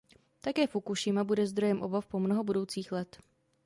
Také Fukušima bude zdrojem obav po mnoho budoucích let.